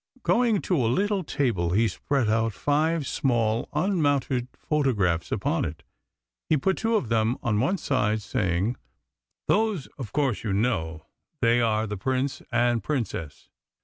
Going to a little table he spread out five small unmounted photographs upon it. He put two of them on one side, saying: "Those, of course, you know; they are the Prince and Princess.